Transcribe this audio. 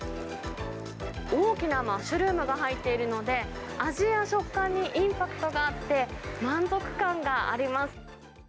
大きなマッシュルームが入っているので、味や食感にインパクトがあって、満足感があります。